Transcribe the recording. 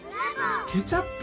ケチャップ？